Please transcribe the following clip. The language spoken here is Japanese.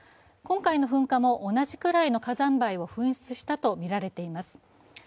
今回の噴火も同じくらいの火山灰を噴出したとみられています。